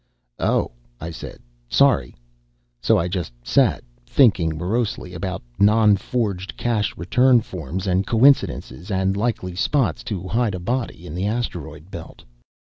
"Oh," I said. "Sorry." So I just sat, thinking morosely about non forged cash return forms, and coincidences, and likely spots to hide a body in the Asteroid Belt.